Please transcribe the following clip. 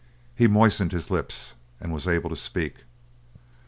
He moistened his lips and was able to speak.